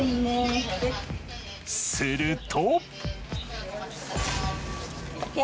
すると。